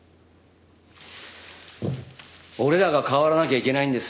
俺らが変わらなきゃいけないんですよ。